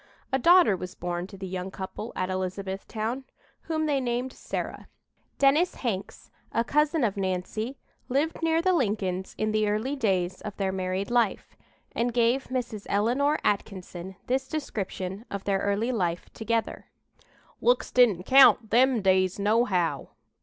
A daughter was born to the young couple at Elizabethtown, whom they named Sarah. Dennis Hanks, a cousin of Nancy, lived near the Lincolns in the early days of their married life, and gave Mrs. Eleanor Atkinson this description of their early life together: "Looks didn't count them days, nohow.